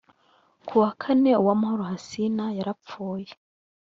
ku wa kane uwamahoro hassina yarapfuye